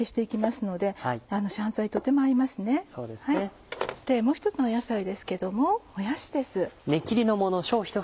もう１つの野菜ですけどももやしです。